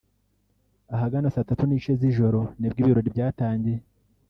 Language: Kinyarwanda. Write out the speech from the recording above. Ahagana saa tatu n’igice z’ijoro nibwo ibirori byatangiye